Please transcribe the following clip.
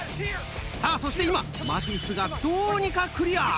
さぁそして今マティスがどうにかクリア。